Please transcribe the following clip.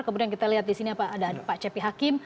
kemudian kita lihat di sini ada pak cepi hakim